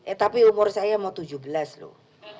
eh tapi umur saya mau tujuh belas loh